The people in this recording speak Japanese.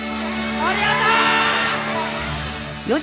ありがとう！